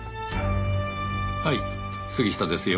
はい杉下ですよ。